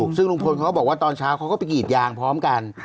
ซึ่งลุงพลเขาก็บอกว่าตอนเช้าเขาก็ไปกรีดยางพร้อมกัน